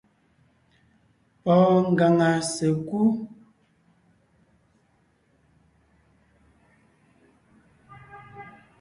Pɔɔn ngaŋa sèkú .